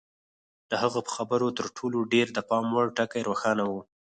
د هغه په خبرو کې تر ټولو ډېر د پام وړ ټکی روښانه و.